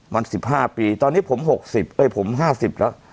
มันสิบห้าปีตอนนี้ผมหกสิบเอ้ยผมห้าสิบแล้ว